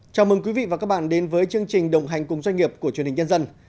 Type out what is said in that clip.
chào mừng quý vị và các bạn đến với chương trình đồng hành cùng doanh nghiệp của truyền hình nhân dân